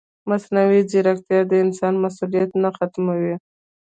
مصنوعي ځیرکتیا د انسان مسؤلیت نه ختموي.